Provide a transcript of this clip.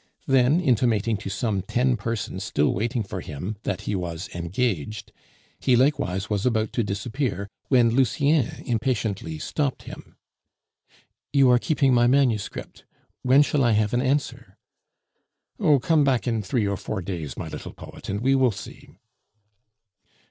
Then, intimating to some ten persons still waiting for him that he was engaged, he likewise was about to disappear when Lucien impatiently stopped him. "You are keeping my manuscript. When shall I have an answer?" "Oh, come back in three or four days, my little poet, and we will see."